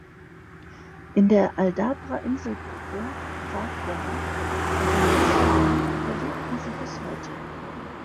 In der Aldabra-Inselgruppe, Farquhar und den Seychellen überlebten sie bis heute.